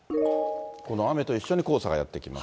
この雨と一緒に黄砂がやって来ます。